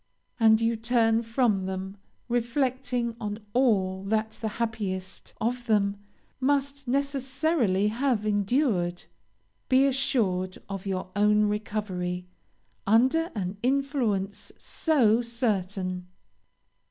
and you turn from them, reflecting on all that the happiest of them must necessarily have endured. Be assured of your own recovery, under an influence so certain.